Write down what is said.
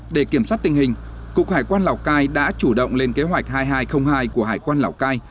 để kiểm soát tình hình cục hải quan lào cai đã chủ động lên kế hoạch hai nghìn hai trăm linh hai của hải quan lào cai